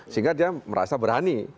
sehingga dia merasa berani